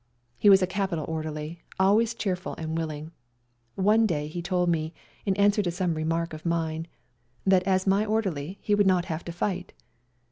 He was a capital orderly, always cheerful and willing. One day he told me, in answer to sonie remark of mine, that as my orderly he would not have to fight.